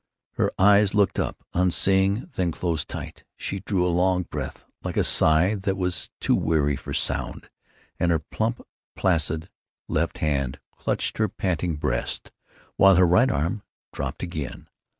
Her eyes looked up, unseeing; then closed tight. She drew a long breath, like a sigh that was too weary for sound, and her plump, placid left hand clutched her panting breast, while her right arm dropped again.